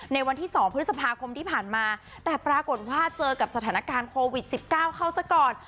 ในวันที่๒พฤษภาคมที่ผ่านมาแต่ปรากฏว่าเจอกับสถานการณ์โควิด๑๙เข้าซะก่อน